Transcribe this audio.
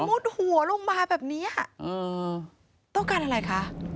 มุดหัวลงมาแบบนี้ค่ะต้องการอะไรคะ